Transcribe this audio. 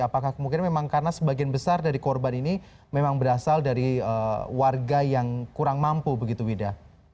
apakah kemudian memang karena sebagian besar dari korban ini memang berasal dari warga yang kurang mampu begitu wida